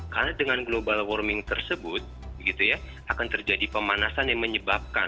karena dengan global warming tersebut gitu ya akan terjadi pemanasan yang menyebabkan